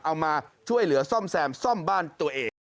เอามาช่วยเหลือซ่อมแซมซ่อมบ้านตัวเอง